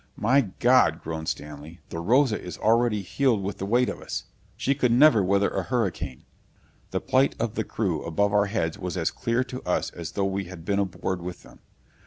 "My God!" groaned Stanley. "The Rosa is already heeled with the weight of us. She could never weather a hurricane!" The plight of the crew above our heads was as clear to us as though we had been aboard with them.